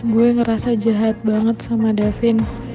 gue ngerasa jahat banget sama davin